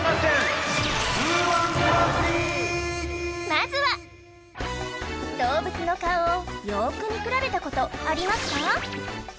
まずは動物の顔をよーく見比べたことありますか？